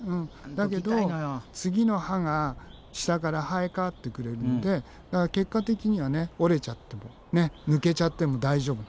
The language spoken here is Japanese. だけど次の歯が下から生え変わってくるんでだから結果的には折れちゃっても抜けちゃっても大丈夫なの。